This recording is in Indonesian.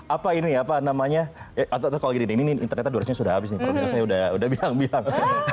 apa ini ya apa namanya atau kalau gini ini internet durasinya sudah habis nih kalau misalnya udah bilang bilang